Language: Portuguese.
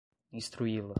instruí-la